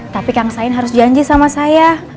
tapi kang sain harus janji sama saya